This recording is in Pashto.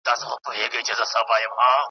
دا خیرات دی که ښادي که فاتحه ده .